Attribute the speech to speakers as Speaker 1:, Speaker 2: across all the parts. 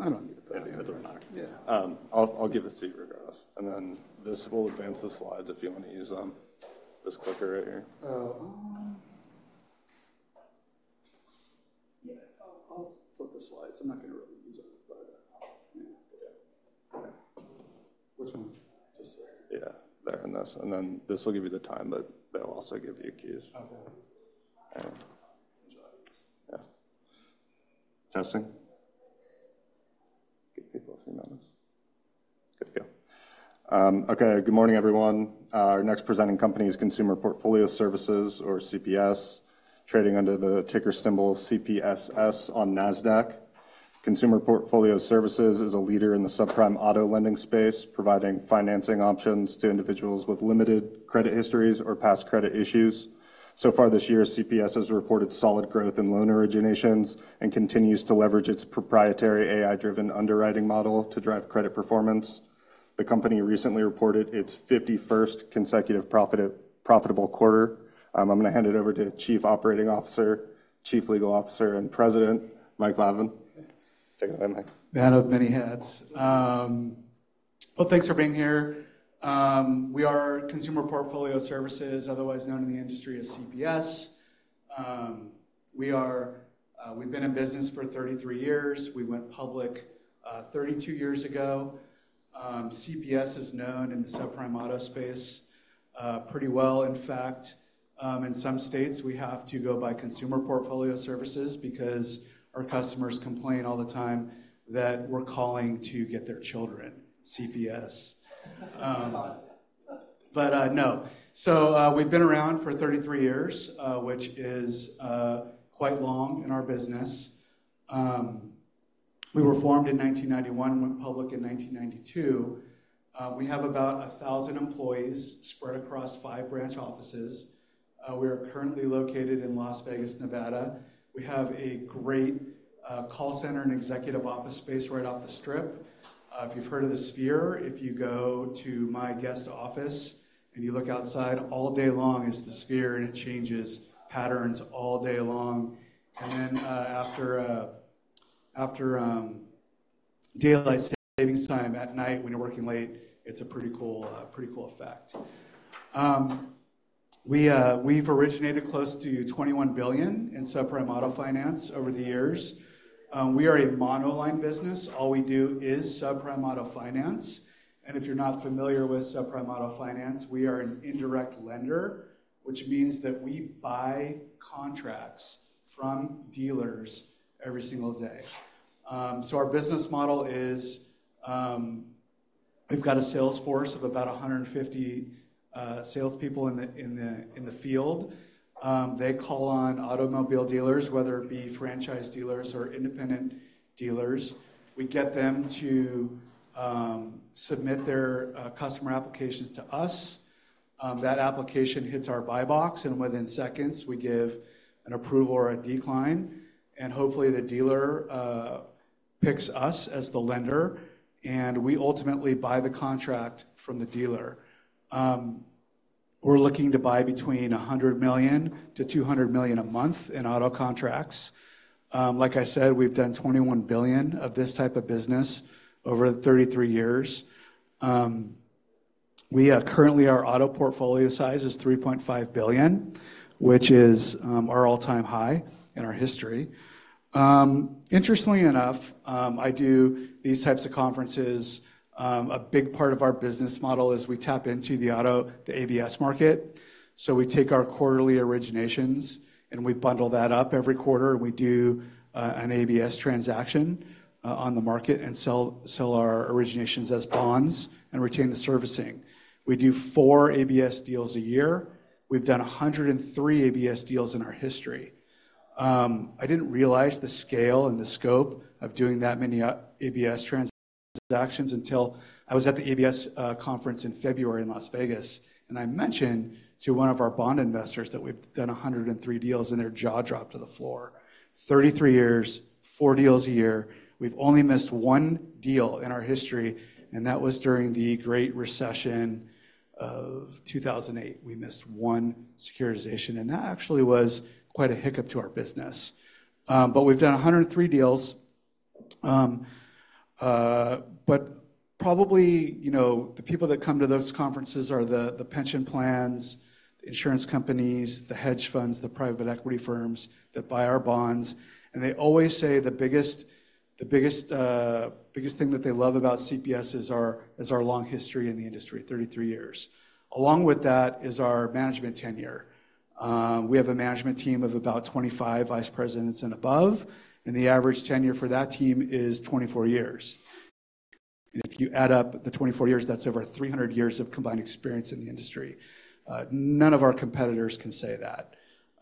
Speaker 1: I don't need it. Yeah. I'll give this to you regardless, and then this will advance the slides if you want to use this clicker right here.
Speaker 2: Oh, yeah, I'll flip the slides. I'm not going to really use it, but yeah.
Speaker 1: Which one's?
Speaker 2: Just there.
Speaker 1: Yeah, there and this, and then this will give you the time, but they'll also give you cues.
Speaker 2: Okay.
Speaker 1: And-
Speaker 2: Enjoy.
Speaker 1: Yeah. Testing. Give people a few moments. Good to go. Okay, good morning, everyone. Our next presenting company is Consumer Portfolio Services, or CPS, trading under the ticker symbol CPSS on NASDAQ. Consumer Portfolio Services is a leader in the subprime auto lending space, providing financing options to individuals with limited credit histories or past credit issues. So far this year, CPS has reported solid growth in loan originations and continues to leverage its proprietary AI-driven underwriting model to drive credit performance. The company recently reported its fifty-first consecutive profitable quarter. I'm going to hand it over to Chief Operating Officer, Chief Legal Officer, and President, Mike Lavin. Take it away, Mike.
Speaker 2: The man of many hats. Well, thanks for being here. We are Consumer Portfolio Services, otherwise known in the industry as CPS. We are, we've been in business for thirty-three years. We went public, thirty-two years ago. CPS is known in the subprime auto space, pretty well. In fact, in some states, we have to go by Consumer Portfolio Services because our customers complain all the time that we're calling to get their children, CPS. But, no. So, we've been around for thirty-three years, which is, quite long in our business. We were formed in 1991, went public in 1992. We have about a thousand employees spread across five branch offices. We are currently located in Las Vegas, Nevada. We have a great, call center and executive office space right off the Strip. If you've heard of the Sphere, if you go to my guest office and you look outside, all day long, it's the Sphere, and it changes patterns all day long. And then, after daylight saving time, at night, when you're working late, it's a pretty cool, pretty cool effect. We've originated close to $21 billion in subprime auto finance over the years. We are a monoline business. All we do is subprime auto finance, and if you're not familiar with subprime auto finance, we are an indirect lender, which means that we buy contracts from dealers every single day. So our business model is, we've got a sales force of about 150 salespeople in the field. They call on automobile dealers, whether it be franchise dealers or independent dealers. We get them to submit their customer applications to us. That application hits our buy box, and within seconds, we give an approval or a decline, and hopefully, the dealer picks us as the lender, and we ultimately buy the contract from the dealer. We're looking to buy between $100 million-$200 million a month in auto contracts. Like I said, we've done $21 billion of this type of business over 33 years. We currently our auto portfolio size is $3.5 billion, which is our all-time high in our history. Interestingly enough, I do these types of conferences. A big part of our business model is we tap into the auto, the ABS market. So we take our quarterly originations, and we bundle that up every quarter, and we do an ABS transaction on the market and sell our originations as bonds and retain the servicing. We do four ABS deals a year. We've done a hundred and three ABS deals in our history. I didn't realize the scale and the scope of doing that many ABS transactions until I was at the ABS conference in February in Las Vegas, and I mentioned to one of our bond investors that we've done a hundred and three deals, and their jaw dropped to the floor. Thirty-three years, four deals a year. We've only missed one deal in our history, and that was during the Great Recession of 2008. We missed one securitization, and that actually was quite a hiccup to our business. But we've done 103 deals. But probably, you know, the people that come to those conferences are the pension plans, insurance companies, the hedge funds, the private equity firms that buy our bonds, and they always say the biggest thing that they love about CPS is our long history in the industry, 33 years. Along with that is our management tenure. We have a management team of about 25 vice presidents and above, and the average tenure for that team is 24 years. If you add up the 24 years, that's over 300 years of combined experience in the industry. None of our competitors can say that.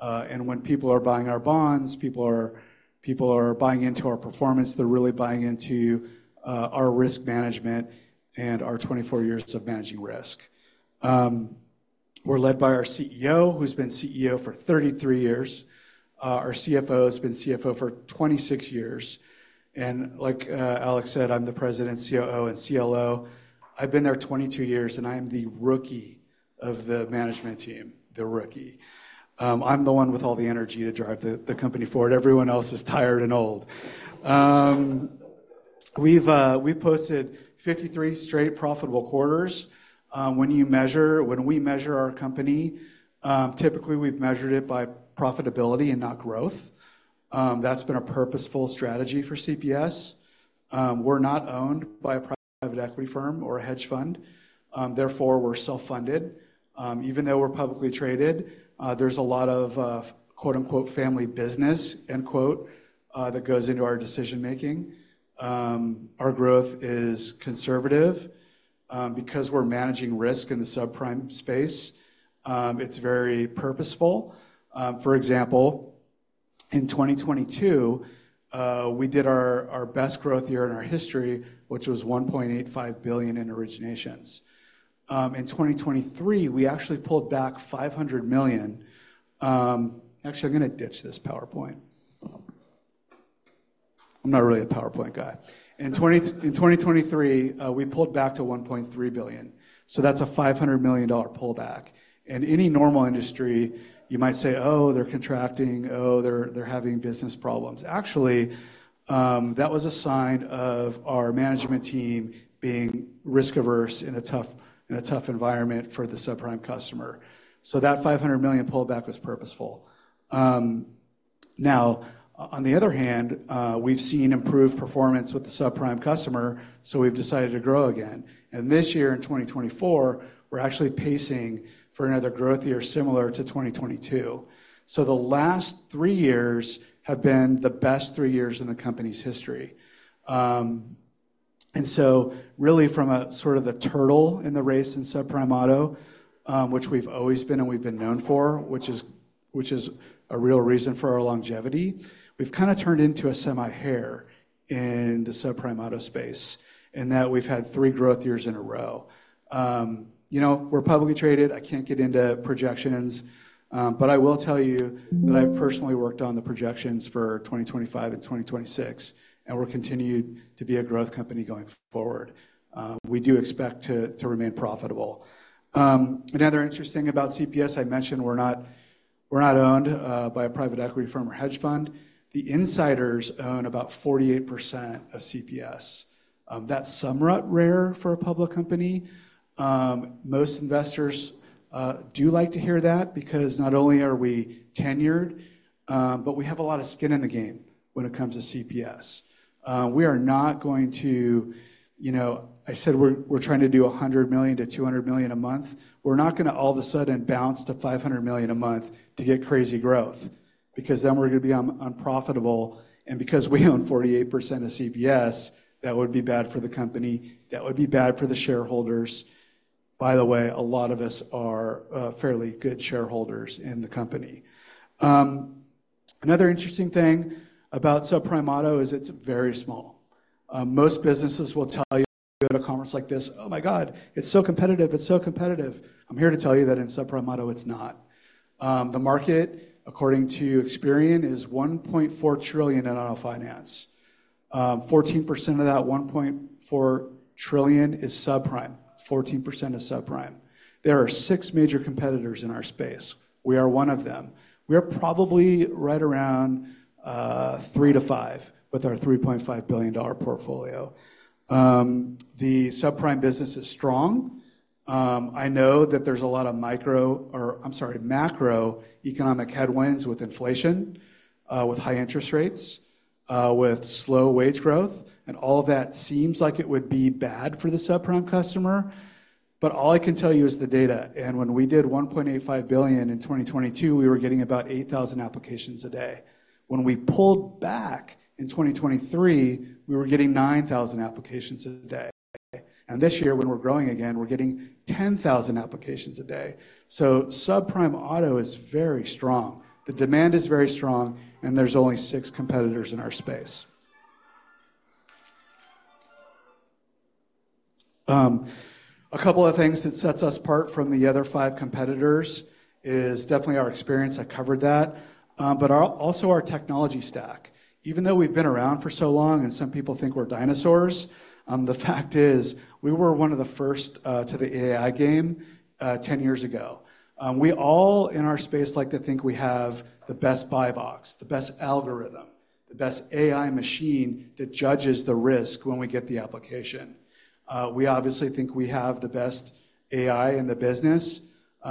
Speaker 2: And when people are buying our bonds, people are buying into our performance. They're really buying into our risk management and our 24 years of managing risk. We're led by our CEO, who's been CEO for 33 years. Our CFO has been CFO for 26 years, and like Alex said, I'm the President, COO, and CLO. I've been there 22 years, and I am the rookie of the management team, the rookie. I'm the one with all the energy to drive the company forward. Everyone else is tired and old. We've posted 53 straight profitable quarters. When we measure our company, typically we've measured it by profitability and not growth. That's been a purposeful strategy for CPS. We're not owned by a private equity firm or a hedge fund, therefore, we're self-funded. Even though we're publicly traded, there's a lot of, quote, unquote, "family business," end quote, that goes into our decision making. Our growth is conservative, because we're managing risk in the subprime space. It's very purposeful. For example, in twenty twenty-two, we did our best growth year in our history, which was $1.85 billion in originations. In twenty twenty-three, we actually pulled back $500 million. Actually, I'm gonna ditch this PowerPoint. I'm not really a PowerPoint guy. In twenty twenty-three, we pulled back to $1.3 billion, so that's a $500 million dollar pullback. In any normal industry, you might say, "Oh, they're contracting. Oh, they're having business problems." Actually, that was a sign of our management team being risk-averse in a tough environment for the subprime customer. So that $500 million pullback was purposeful. Now, on the other hand, we've seen improved performance with the subprime customer, so we've decided to grow again, and this year, in 2024, we're actually pacing for another growth year similar to 2022. So the last three years have been the best three years in the company's history, and so really, from a sort of the turtle in the race in subprime auto, which we've always been and we've been known for, which is a real reason for our longevity, we've kinda turned into a semi-hare in the subprime auto space, in that we've had three growth years in a row. You know, we're publicly traded. I can't get into projections, but I will tell you that I've personally worked on the projections for 2025 and 2026, and we're continued to be a growth company going forward. We do expect to remain profitable. Another interesting thing about CPS, I mentioned we're not owned by a private equity firm or hedge fund. The insiders own about 48% of CPS. That's somewhat rare for a public company. Most investors do like to hear that because not only are we tenured, but we have a lot of skin in the game when it comes to CPS. We are not going to... You know, I said we're trying to do $100 million-$200 million a month. We're not gonna all of a sudden bounce to $500 million a month to get crazy growth, because then we're gonna be unprofitable, and because we own 48% of CPS, that would be bad for the company. That would be bad for the shareholders. By the way, a lot of us are fairly good shareholders in the company. Another interesting thing about subprime auto is it's very small. Most businesses will tell you at a conference like this, "Oh, my God, it's so competitive. It's so competitive!" I'm here to tell you that in subprime auto, it's not. The market, according to Experian, is $1.4 trillion in auto finance. 14% of that $1.4 trillion is subprime. 14% is subprime. There are six major competitors in our space. We are one of them. We are probably right around 3-5 with our $3.5 billion portfolio. The subprime business is strong. I know that there's a lot of micro, or I'm sorry, macroeconomic headwinds with inflation, with high interest rates, with slow wage growth, and all of that seems like it would be bad for the subprime customer, but all I can tell you is the data. And when we did $1.85 billion in 2022, we were getting about 8,000 applications a day. When we pulled back in 2023, we were getting 9,000 applications a day. And this year, when we're growing again, we're getting 10,000 applications a day. So subprime auto is very strong. The demand is very strong, and there's only six competitors in our space. A couple of things that sets us apart from the other five competitors is definitely our experience. I covered that. But also our technology stack. Even though we've been around for so long, and some people think we're dinosaurs, the fact is, we were one of the first to the AI game, 10 years ago. We all, in our space, like to think we have the best buy box, the best algorithm, the best AI machine that judges the risk when we get the application. We obviously think we have the best AI in the business.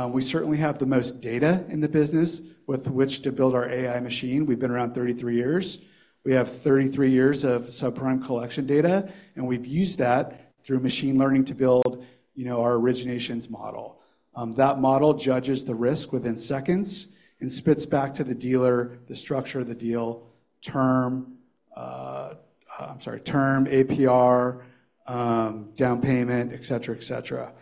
Speaker 2: We certainly have the most data in the business with which to build our AI machine. We've been around 33 years. We have 33 years of subprime collection data, and we've used that through machine learning to build, you know, our originations model. That model judges the risk within seconds and spits back to the dealer the structure of the deal, term, APR, down payment, et cetera, et cetera.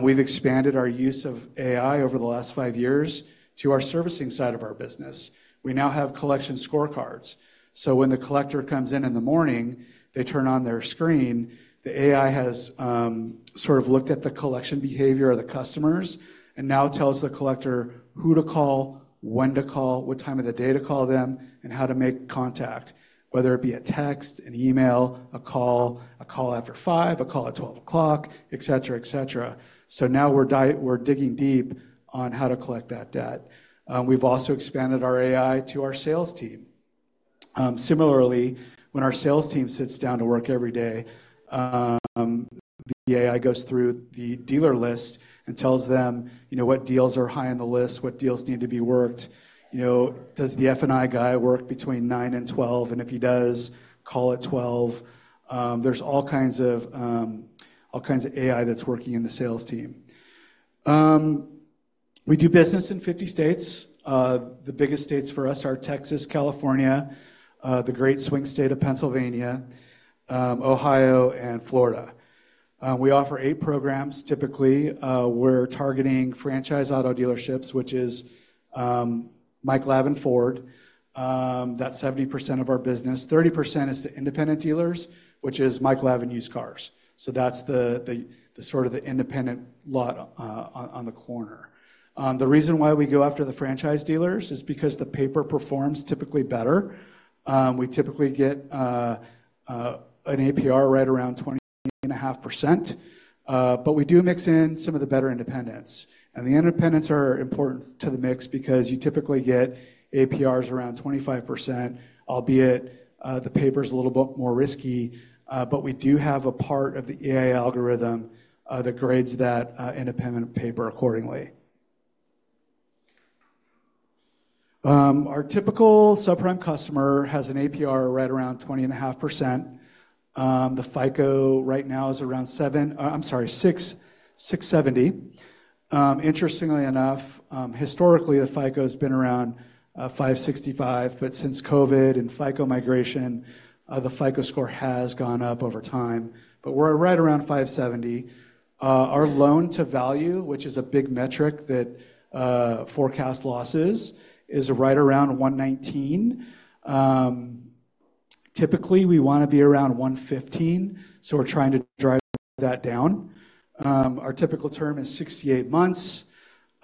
Speaker 2: We've expanded our use of AI over the last five years to our servicing side of our business. We now have collection scorecards. So when the collector comes in in the morning, they turn on their screen, the AI has sort of looked at the collection behavior of the customers and now tells the collector who to call, when to call, what time of the day to call them, and how to make contact, whether it be a text, an email, a call, a call after five, a call at twelve o'clock, et cetera, et cetera. So now we're digging deep on how to collect that debt. We've also expanded our AI to our sales team. Similarly, when our sales team sits down to work every day, the AI goes through the dealer list and tells them, you know, what deals are high on the list, what deals need to be worked. You know, does the F&I guy work between 9:00 A.M. and 12:00 P.M.? And if he does, call at 12:00 P.M. There's all kinds of AI that's working in the sales team. We do business in 50 states. The biggest states for us are Texas, California, the great swing state of Pennsylvania, Ohio, and Florida. We offer eight programs. Typically, we're targeting franchise auto dealerships, which is Mike Lavin Ford. That's 70% of our business. 30% is to independent dealers, which is Mike Lavin Used Cars, so that's the sort of the independent lot on the corner. The reason why we go after the franchise dealers is because the paper performs typically better. We typically get an APR right around 20.5%, but we do mix in some of the better independents. And the independents are important to the mix because you typically get APRs around 25%, albeit the paper's a little bit more risky. But we do have a part of the AI algorithm that grades that independent paper accordingly. Our typical subprime customer has an APR right around 20.5%. The FICO right now is around 670. Interestingly enough, historically, the FICO's been around 565, but since COVID and FICO migration, the FICO score has gone up over time, but we're right around 570. Our loan-to-value, which is a big metric that forecast losses, is right around 119. Typically, we want to be around 115, so we're trying to drive that down. Our typical term is 68 months.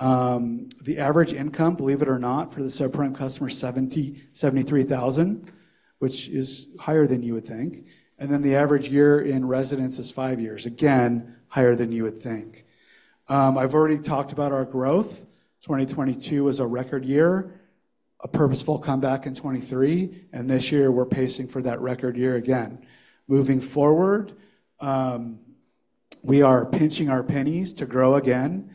Speaker 2: The average income, believe it or not, for the subprime customer, $73,000, which is higher than you would think, and then the average year in residence is 5 years. Again, higher than you would think. I've already talked about our growth. 2022 was a record year, a purposeful comeback in 2023, and this year, we're pacing for that record year again. Moving forward, we are pinching our pennies to grow again.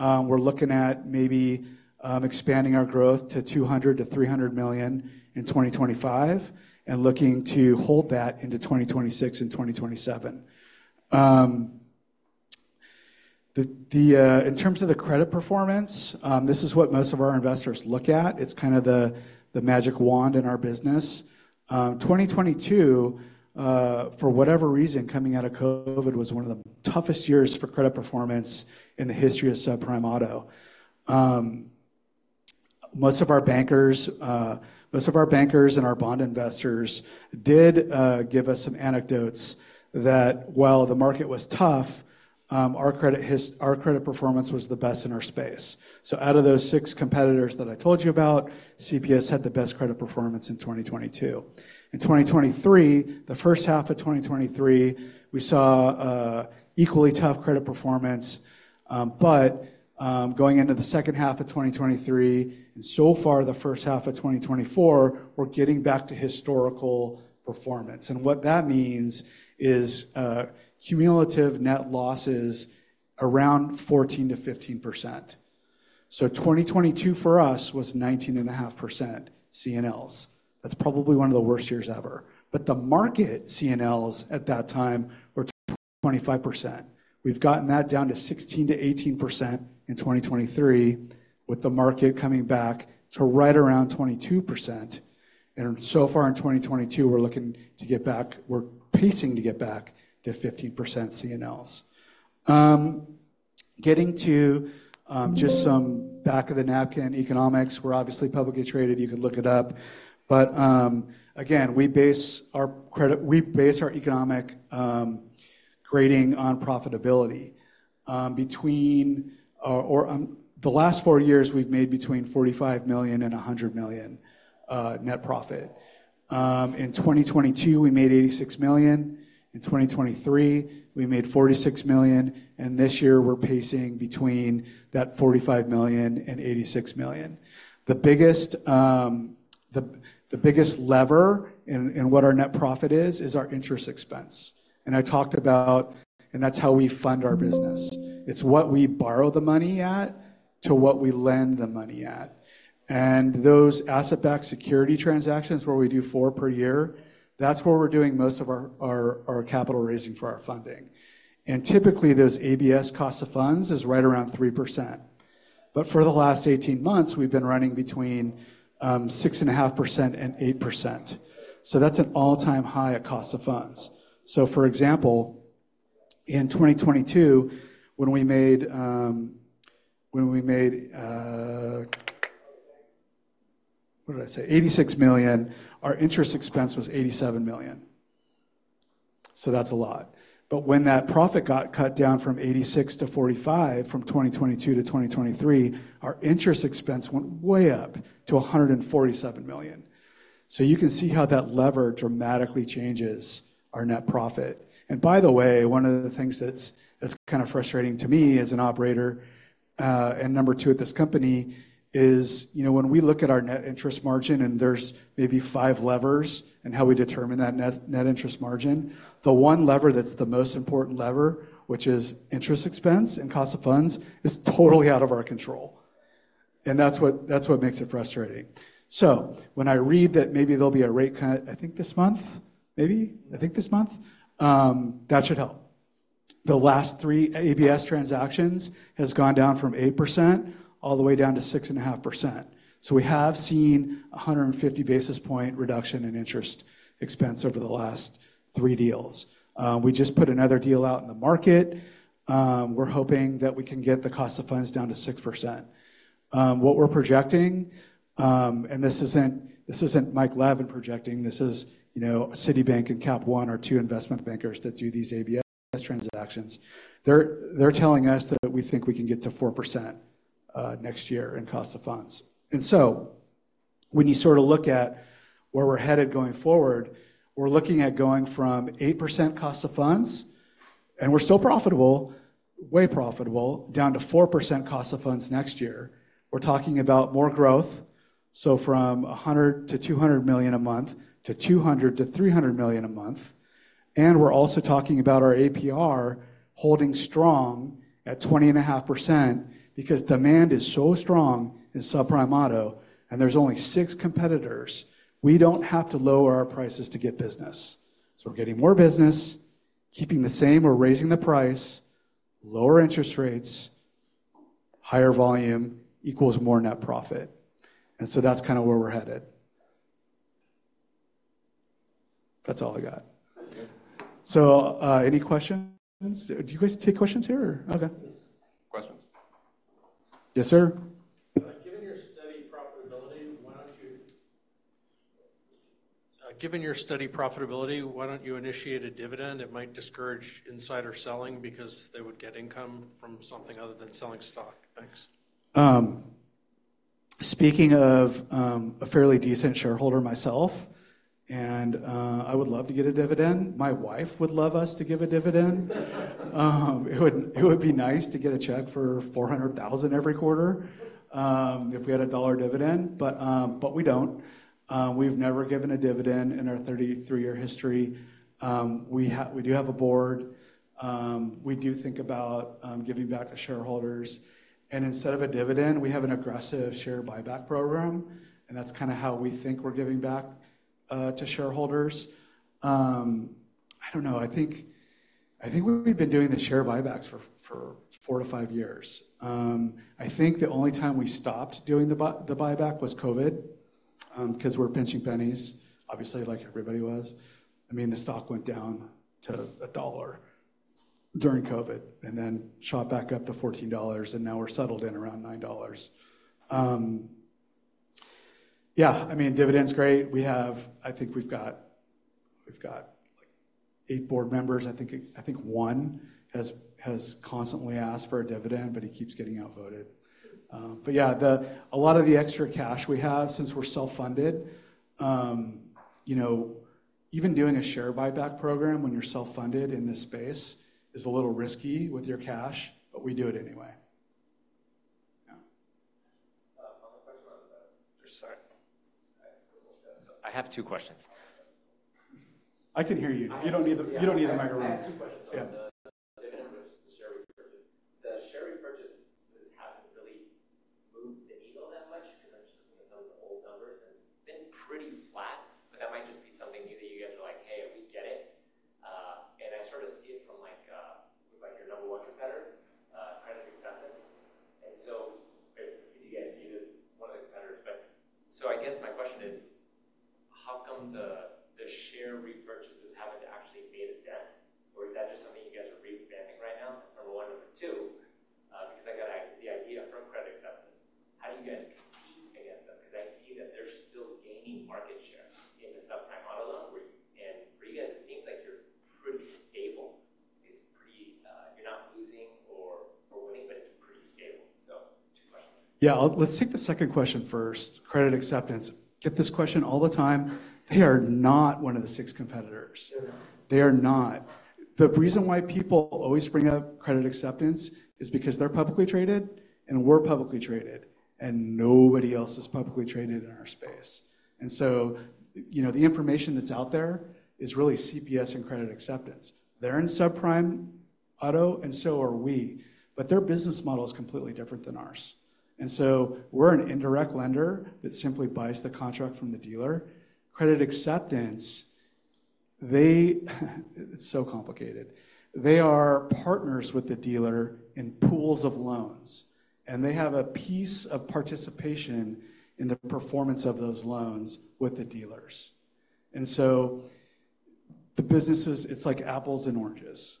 Speaker 2: We're looking at maybe expanding our growth to $200-$300 million in 2025 and looking to hold that into 2026 and 2027. In terms of credit performance, this is what most of our investors look at. It's kind of the magic wand in our business. 2022, for whatever reason, coming out of COVID, was one of the toughest years for credit performance in the history of subprime auto. Most of our bankers and our bond investors did give us some anecdotes that while the market was tough, our credit performance was the best in our space. So out of those six competitors that I told you about, CPS had the best credit performance in 2022. In 2023, the first half of 2023, we saw equally tough credit performance. But going into the second half of 2023, and so far, the first half of 2024, we're getting back to historical performance, and what that means is cumulative net losses around 14%-15%. So 2022 for us was 19.5% CNLs. That's probably one of the worst years ever. But the market CNLs at that time were 25%. We've gotten that down to 16%-18% in 2023, with the market coming back to right around 22%, and so far in 2022, we're looking to get back-- we're pacing to get back to 15% CNLs. Getting to just some back-of-the-napkin economics, we're obviously publicly traded. You can look it up. But, again, we base our economic grading on profitability. Between the last four years, we've made between forty-five million and a hundred million net profit. In 2022, we made eighty-six million. In 2023, we made forty-six million, and this year, we're pacing between that forty-five million and eighty-six million. The biggest lever in what our net profit is, is our interest expense, and I talked about... And that's how we fund our business. It's what we borrow the money at to what we lend the money at. And those asset-backed security transactions, where we do four per year, that's where we're doing most of our capital raising for our funding. And typically, those ABS cost of funds is right around 3%. But for the last eighteen months, we've been running between 6.5% and 8%, so that's an all-time high at cost of funds. So, for example, in 2022, when we made $86 million, our interest expense was $87 million, so that's a lot. But when that profit got cut down from $86 to $45, from 2022 to 2023, our interest expense went way up to $147 million. So you can see how that lever dramatically changes our net profit. By the way, one of the things that's kind of frustrating to me as an operator and number two at this company is, you know, when we look at our net interest margin, and there's maybe five levers in how we determine that net interest margin, the one lever that's the most important lever, which is interest expense and cost of funds, is totally out of our control... and that's what makes it frustrating. So when I read that maybe there'll be a rate cut, I think this month, maybe? I think this month, that should help. The last three ABS transactions has gone down from 8% all the way down to 6.5%. So we have seen a 150 basis point reduction in interest expense over the last three deals. We just put another deal out in the market. We're hoping that we can get the cost of funds down to 6%. What we're projecting, and this isn't Mike Lavin projecting, this is, you know, Citibank and Cap One are two investment bankers that do these ABS transactions. They're telling us that we think we can get to 4% next year in cost of funds. And so, when you sort of look at where we're headed going forward, we're looking at going from 8% cost of funds, and we're still profitable, way profitable, down to 4% cost of funds next year. We're talking about more growth, so from $100-$200 million a month, to $200-$300 million a month, and we're also talking about our APR holding strong at 20.5%, because demand is so strong in subprime auto, and there's only six competitors. We don't have to lower our prices to get business. So we're getting more business, keeping the same or raising the price, lower interest rates, higher volume equals more net profit. And so that's kind of where we're headed. That's all I got. So, any questions? Do you guys take questions here, or...? Okay. Questions. Yes, sir. Given your steady profitability, why don't you initiate a dividend? It might discourage insider selling because they would get income from something other than selling stock. Thanks. Speaking of a fairly decent shareholder myself, and I would love to get a dividend. My wife would love us to give a dividend. It would be nice to get a check for $400,000 every quarter, if we had a dollar dividend, but we don't. We've never given a dividend in our 33-year history. We have a board. We do think about giving back to shareholders, and instead of a dividend, we have an aggressive share buyback program, and that's kind of how we think we're giving back to shareholders. I don't know. I think we've been doing the share buybacks for four to five years. I think the only time we stopped doing the buyback was COVID, 'cause we were pinching pennies, obviously, like everybody was. I mean, the stock went down to $1 during COVID and then shot back up to $14, and now we're settled in around $9. I mean, dividend's great. We have. I think we've got, like, 8 board members. I think one has constantly asked for a dividend, but he keeps getting outvoted. But a lot of the extra cash we have, since we're self-funded, you know, even doing a share buyback program when you're self-funded in this space is a little risky with your cash, but we do it anyway. Yeah. One question on that. Sorry. I have two questions. I can hear you. I have- You don't need the microphone. I have two questions on And so we're an indirect lender that simply buys the contract from the dealer. Credit Acceptance, they. It's so complicated. They are partners with the dealer in pools of loans, and they have a piece of participation in the performance of those loans with the dealers. And so the businesses, it's like apples and oranges,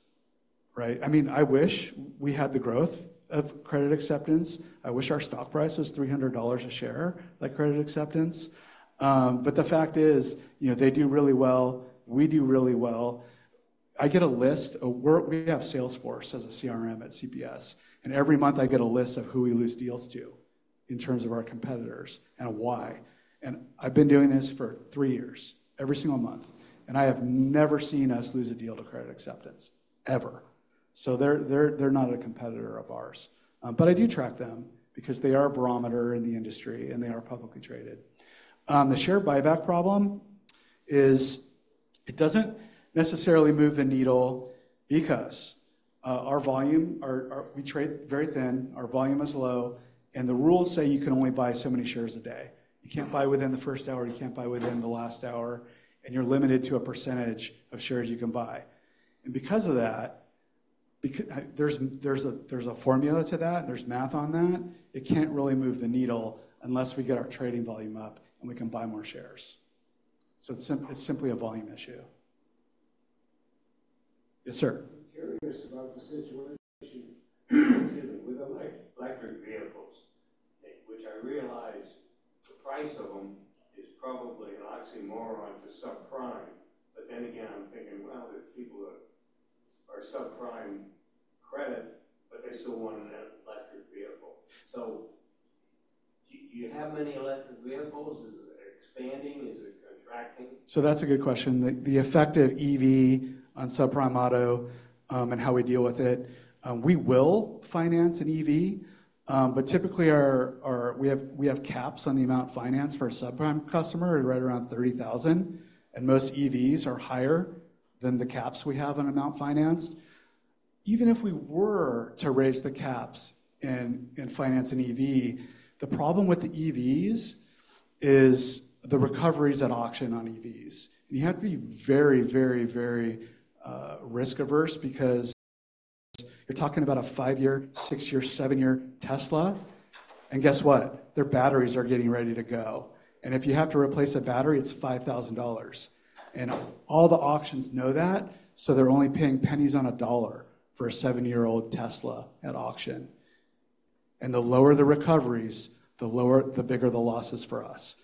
Speaker 2: right? I mean, I wish we had the growth of Credit Acceptance. I wish our stock price was $300 a share, like Credit Acceptance. But the fact is, you know, they do really well, we do really well. We have Salesforce as a CRM at CPS, and every month I get a list of who we lose deals to in terms of our competitors and why. I've been doing this for three years, every single month, and I have never seen us lose a deal to Credit Acceptance, ever. So they're not a competitor of ours. But I do track them because they are a barometer in the industry, and they are publicly traded. The share buyback problem? It doesn't necessarily move the needle because our volume – we trade very thin, our volume is low, and the rules say you can only buy so many shares a day. You can't buy within the first hour, you can't buy within the last hour, and you're limited to a percentage of shares you can buy. And because of that, because there's a formula to that, there's math on that. It can't really move the needle unless we get our trading volume up, and we can buy more shares. So it's simply a volume issue. Yes, sir? I'm curious about the situation, excuse me, with electric vehicles, which I realize the price of them is probably an oxymoron for subprime. But then again, I'm thinking, well, there are people that are subprime credit, but they still want an electric vehicle. So do you have many electric vehicles? Is it expanding? Is it contracting? So that's a good question. The effect of EV on subprime auto, and how we deal with it. We will finance an EV, but typically we have caps on the amount financed for a subprime customer, right around $30,000, and most EVs are higher than the caps we have on amount financed. Even if we were to raise the caps and finance an EV, the problem with the EVs is the recoveries at auction on EVs. You have to be very, very, very risk-averse because you're talking about a five-year, six-year, seven-year Tesla, and guess what? Their batteries are getting ready to go. And if you have to replace a battery, it's $5,000, and all the auctions know that, so they're only paying pennies on a dollar for a seven-year-old Tesla at auction. The lower the recoveries, the bigger the losses for us.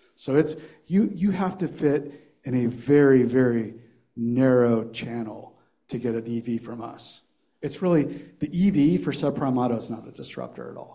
Speaker 2: You have to fit in a very, very narrow channel to get an EV from us. It's really the EV for subprime auto is not the disruptor at all.